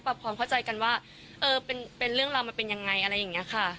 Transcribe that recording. ความเข้าใจกันว่าเออเป็นเรื่องราวมันเป็นยังไงอะไรอย่างนี้ค่ะ